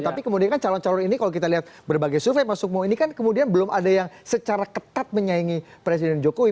tapi kemudian kan calon calon ini kalau kita lihat berbagai survei mas sukmo ini kan kemudian belum ada yang secara ketat menyaingi presiden jokowi